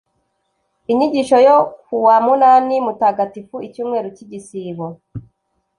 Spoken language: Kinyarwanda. inyigisho yo kuwa munani mutagatifu, icyumweru cy'igisibo